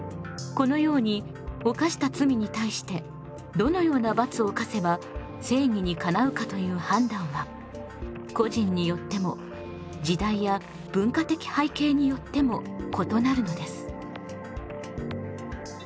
このように犯した罪に対してどのような罰を科せば正義にかなうかという判断は個人によっても時代や文化的背景によっても異なるのです。